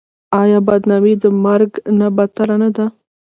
آیا بدنامي د مرګ نه بدتره نه ده؟